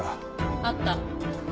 あった。